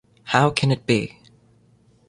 How Can it Be?